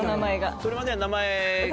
それまでは名前が。